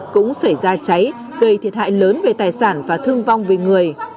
cũng xảy ra cháy gây thiệt hại lớn về tài sản và thương vong về người